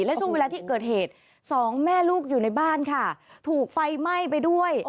และช่วงเวลาที่เกิดเหตุสองแม่ลูกอยู่ในบ้านค่ะถูกไฟไหม้ไปด้วย